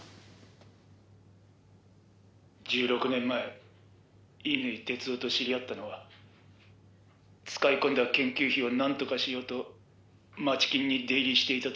「１６年前乾哲夫と知り合ったのは使い込んだ研究費をなんとかしようと街金に出入りしていた時です」